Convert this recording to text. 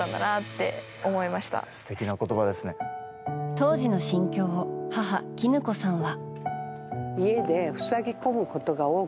当時の心境を母・キヌ子さんは。